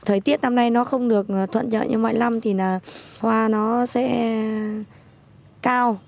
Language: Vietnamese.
thời tiết năm nay nó không được thuận chợ như mọi năm thì là hoa nó sẽ cao